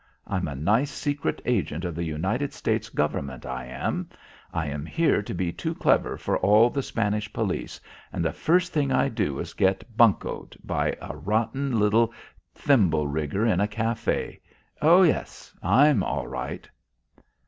I'm a nice secret agent of the United States government, I am. I come here to be too clever for all the Spanish police, and the first thing I do is get buncoed by a rotten, little thimble rigger in a café. Oh, yes, I'm all right."